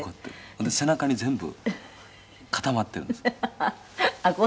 背中に全部固まってるんですよ。